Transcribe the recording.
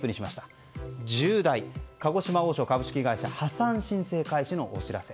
重大、鹿児島王将株式会社破産申請開始のお知らせ。